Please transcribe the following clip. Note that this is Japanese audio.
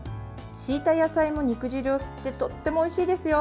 敷いた野菜も肉汁を吸ってとってもおいしいですよ。